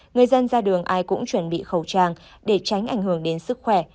người dân ra đường ai cũng chuẩn bị khẩu trang để tránh ảnh hưởng đến sức khỏe